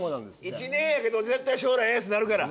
１年やけど絶対将来エースになるから。